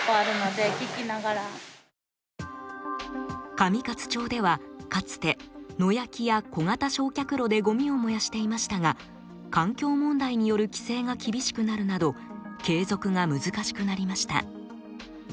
上勝町ではかつて野焼きや小型焼却炉でごみを燃やしていましたが環境問題による規制が厳しくなるなど継続が難しくなりました。